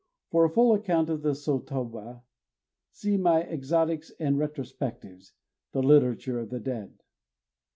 For a full account of the sotoba see my Exotics and Retrospectives: "The Literature of the Dead."